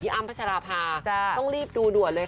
อ้ำพัชราภาต้องรีบดูด่วนเลยค่ะ